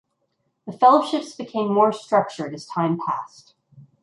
The fellowships became more structured as time passed.